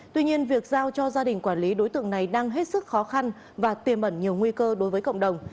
tuy nhiên việc giao cho gia đình quản lý đối tượng này đang hết sức khó khăn và tiềm ẩn nhiều nguy cơ đối với cộng đồng